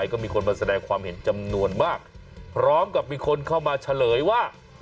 ก็มีคนมาแสดงความเห็นจำนวนมากพร้อมกับมีคนเข้ามาเฉลยว่า